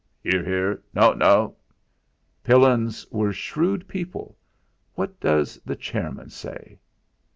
("Hear, hear!" "No, no!") "Pillins are shrewd people. What does the chairman say?